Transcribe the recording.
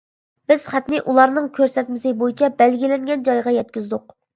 بىز خەتنى ئۇلارنىڭ كۆرسەتمىسى بويىچە بەلگىلەنگەن جايغا يەتكۈزدۇق.